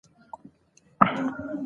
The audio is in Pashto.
د ستونزو سره مخ شول